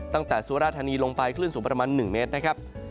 สุราธานีลงไปคลื่นสูงประมาณ๑เมตรนะครับ